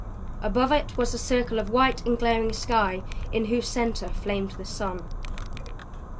Above it was a circle of white and glaring sky in whose center flamed the sun.